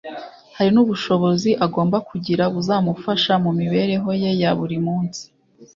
hari n’ubushobozi agomba kugira buzamufasha mu mibereho ye ya buri munsi